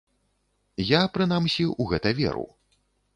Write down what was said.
Я, прынамсі, у гэта веру.